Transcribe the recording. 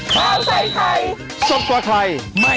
โปรดติดตามตอนต่อไป